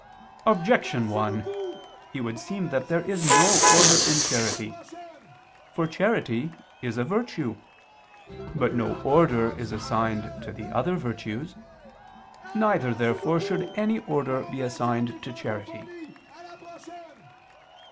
Objection 1: It would seem that there is no order in charity. For charity is a virtue. But no order is assigned to the other virtues. Neither, therefore, should any order be assigned to charity.